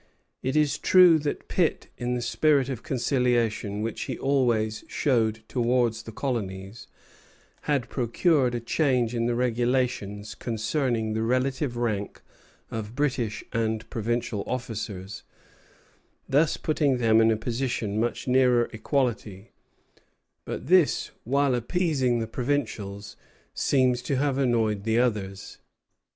It is true that Pitt, in the spirit of conciliation which he always showed towards the colonies, had procured a change in the regulations concerning the relative rank of British and provincial officers, thus putting them in a position much nearer equality; but this, while appeasing the provincials, seems to have annoyed the others.